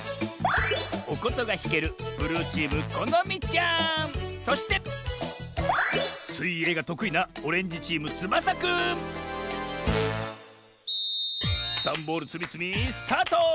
おことがひけるそしてすいえいがとくいなダンボールつみつみスタート！